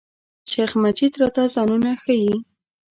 شیخ مجید راته ځایونه ښیي.